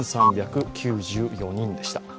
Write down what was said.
５３９４人でした。